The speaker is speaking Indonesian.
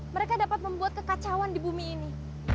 mereka dapat membuat kekacauan di bumi ini